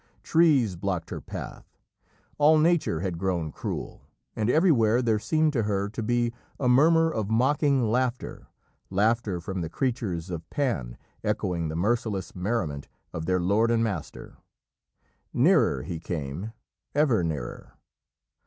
Trees blocked her path. All Nature had grown cruel, and everywhere there seemed to her to be a murmur of mocking laughter, laughter from the creatures of Pan, echoing the merciless merriment of their lord and master. Nearer he came, ever nearer.